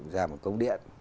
ra một công điện